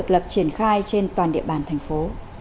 lập triển khai trên toàn địa bàn thành phố